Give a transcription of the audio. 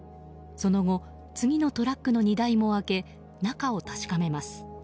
その後、次のトラックの荷台も開け中を確かめます。